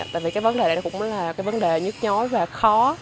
tại vì cái vấn đề này cũng là cái vấn đề nhức nhói và khó